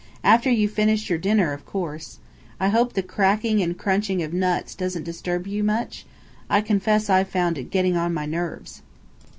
After you've finished your dinner, of course. I hope the cracking and crunching of nuts doesn't disturb you much? I confess I've found it getting on my nerves."